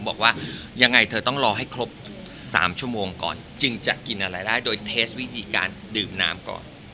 บอกว่ายังไงเธอต้องรอให้ครบ๓ชั่วโมงก่อนจึงจะกินอะไรได้โดยเทสวิธีการดื่มน้ำก่อน